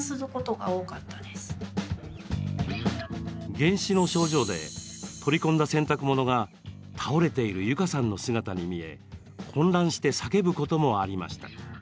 幻視の症状で取り込んだ洗濯物が倒れている悠加さんの姿に見え混乱して叫ぶこともありました。